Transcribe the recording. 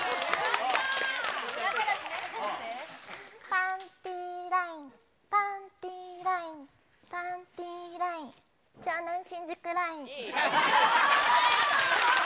パンティーライン、パンティーライン、パンティーライン、湘南新宿ライン。